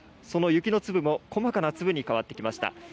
その雪の粒も細かな粒に変わってきました。